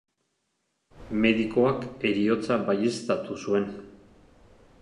Medikuak heriotza baieztatu zuen.